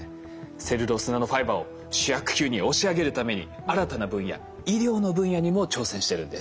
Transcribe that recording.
セルロースナノファイバーを主役級に押し上げるために新たな分野医療の分野にも挑戦してるんです。